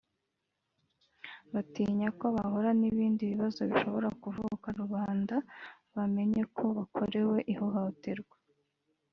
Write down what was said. batinya ko bahura n’ibindi bibazo bishobora kuvuka rubanda bamenye ko bakorewe ihoterwa